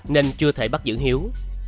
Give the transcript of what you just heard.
nên chưa thể bắt giữ hiếu